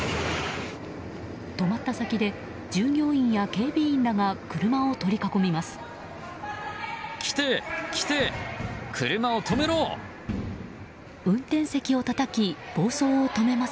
止まった先で従業員や警備員らが車を取り囲みます。